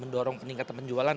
kondisi yang meningkat penjualan